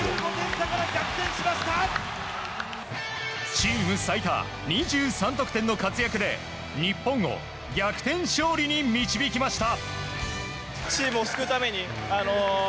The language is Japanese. チーム最多２３得点の活躍で日本を逆転勝利に導きました。